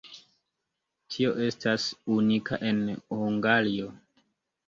Tio estas unika en Hungario.